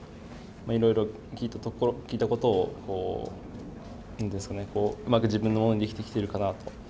いろいろ聞いたことを、うまく自分のものにできてきているかなって。